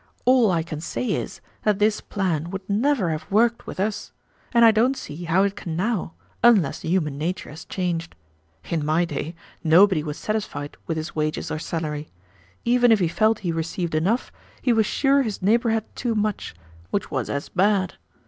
All I can say is, that this plan would never have worked with us, and I don't see how it can now unless human nature has changed. In my day, nobody was satisfied with his wages or salary. Even if he felt he received enough, he was sure his neighbor had too much, which was as bad.